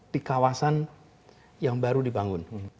di kawasan yang baru dibangun